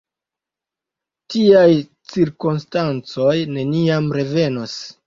Tiaj cirkonstancoj neniam revenos.